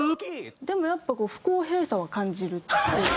でもやっぱ不公平さは感じる。